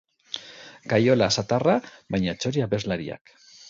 Kaiola zatarra, baina txori abeslariak.